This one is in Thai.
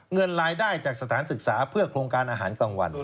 เงินรายได้จากสถานศึกษาเพื่อโครงการอาหารกลางวัน